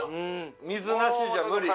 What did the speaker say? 水なしじゃ無理！